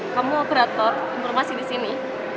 kamu operator informasi di sini